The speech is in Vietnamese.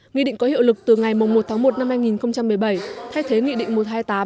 nghị định có hiệu lực từ ngày một tháng một năm hai nghìn một mươi bảy thay thế nghị định một trăm hai mươi tám